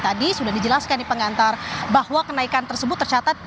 tadi sudah dijelaskan di pengantar bahwa kenaikan tersebut tercatat